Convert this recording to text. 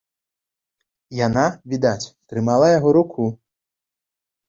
Яна, відаць, трымала яго руку.